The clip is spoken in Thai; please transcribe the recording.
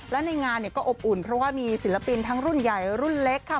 และในงานเนี่ยก็อบอุ่นเพราะว่ามีศิลปินทั้งรุ่นใหญ่รุ่นเล็กค่ะ